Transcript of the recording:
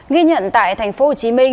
ghi nhận tại tp hcm